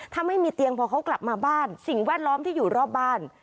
ถ้าไม่มีเตียงพอเขากลับมาบ้านสิ่งแวดล้อมที่อยู่รอบบ้าน